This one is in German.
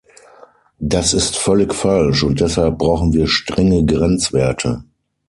Das ist völlig falsch, und deshalb brauchen wir strenge Grenzwerte.